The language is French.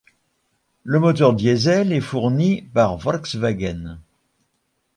Le moteur diesel est fourni par Volkswagen.